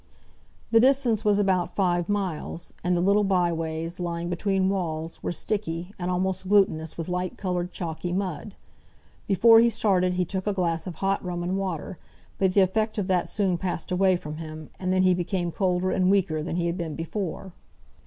The distance was about five miles, and the little byways, lying between walls, were sticky, and almost glutinous with light coloured, chalky mud. Before he started he took a glass of hot rum and water, but the effect of that soon passed away from him, and then he became colder and weaker than he had been before.